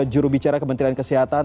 jurubicara kementerian kesehatan